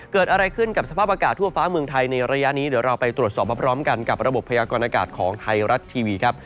เกิดอะไรขึ้นกับสภาพอากาศทั่วฟ้าเมืองไทยในระยะนี้เดี๋ยวเราไปตรวจสอบมาพร้อมกันกับระบบพยากรณากาศของไทยรัฐทีวีครับ